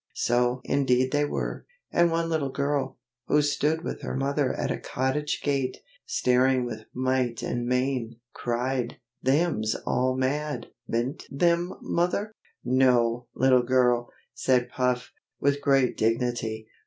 So indeed they were, and one little girl, who stood with her mother at a cottage gate, staring with might and main, cried: "Them's all mad, be'nt them, mother?" "No, little girl!" said Puff, with great dignity.